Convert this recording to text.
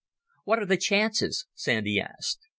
"What are the chances?" Sandy asked.